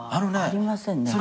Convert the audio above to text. ありませんね。